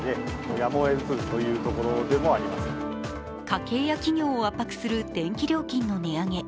家計や企業を圧迫する電気料金の値上げ。